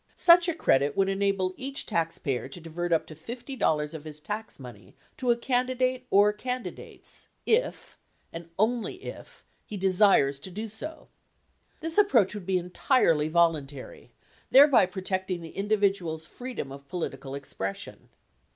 Such a credit would enable each taxpayer to divert up to $50 of his tax money to a candidate or candidates if, and only if, he desires to do so. This approach would be entirely voluntary, thereby protecting the individual's freedom of political expression.